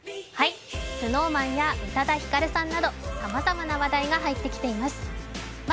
ＳｎｏｗＭａｎや宇多田ヒカルさんなどさまざまな話題が入ってきています。